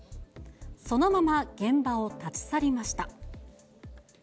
そのまま現場を立ち去りました。